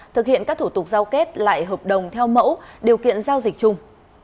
thực hiện các thủ tục giao kết lại hợp đồng theo mẫu điều kiện giao dịch chung